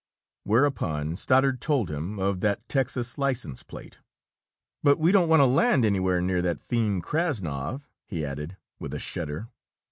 Whereupon Stoddard told him of that Texas license plate. "But we don't want to land anywhere near that fiend Krassnov," he added, with a shudder.